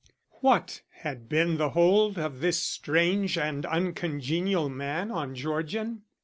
What had been the hold of this strange and uncongenial man on Georgian?